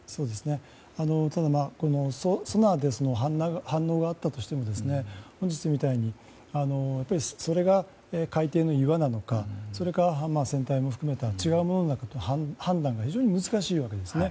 ただソナーで反応があったとしても本日みたいにそれが海底の岩なのかそれか、船体も含めた違うものなのか判断が非常に難しいわけですね。